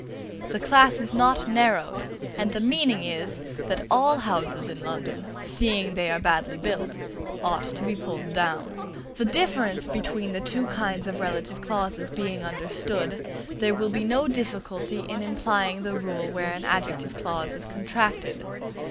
The class is not narrowed; and the meaning is, that all houses in London, seeing they are badly built, ought to be pulled down. The difference between the two kinds of relative clauses being understood, there will be no difficulty in applying the rule where an adjective clause is contracted.